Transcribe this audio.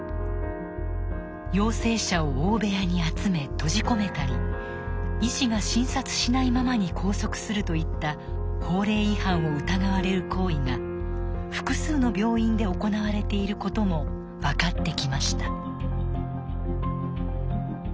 陽性者を大部屋に集め閉じ込めたり医師が診察しないままに拘束するといった法令違反を疑われる行為が複数の病院で行われていることも分かってきました。